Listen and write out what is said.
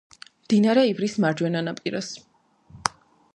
მდინარე ივრის მარჯვენა ნაპირას.